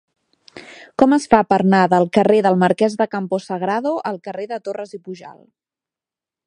Com es fa per anar del carrer del Marquès de Campo Sagrado al carrer de Torras i Pujalt?